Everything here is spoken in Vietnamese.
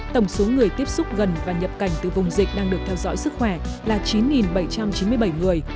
tổng số người tiếp xúc gần và nhập cảnh từ vùng dịch đang được theo dõi sức khỏe là chín bảy trăm chín mươi bảy người